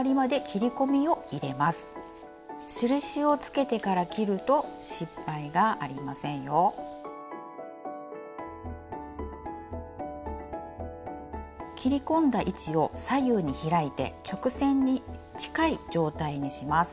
切り込んだ位置を左右に開いて直線に近い状態にします。